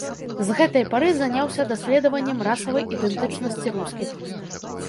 З гэтай пары заняўся даследаваннем расавай ідэнтычнасці рускіх.